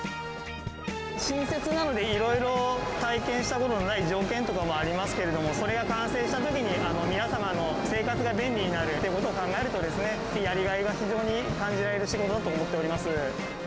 新設なのでいろいろ体験したことのない条件とかもありますけれども、それが完成したときに、皆様の生活が便利になるということを考えるとですね、やりがいが非常に感じられる仕事だと思っております。